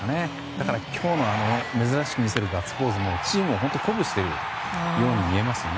だから今日、珍しく見せたガッツポーズもチームを鼓舞しているように見えますね。